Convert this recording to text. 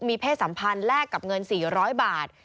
มีเพศสัมพันธ์แลกกับเงิน๔๐๐บาท